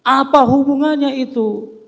apa hubungannya itu